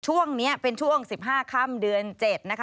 ช่วงนี้เป็นช่วง๑๕ค่ำเดือน๗นะคะ